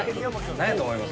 何やと思います？